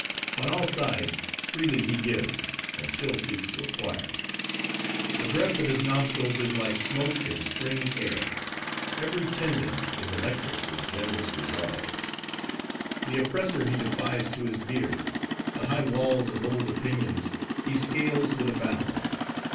On all sides, freely he gives, and still seeks to acquire. The breath of his nostrils is like smoke in spring air; every tendon is electric with generous resolves. The oppressor he defies to his beard; the high walls of old opinions he scales with a bound.